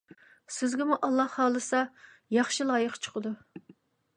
سىزگىمۇ ئاللاھ خالىسا ياخشى لايىق چىقىدۇ.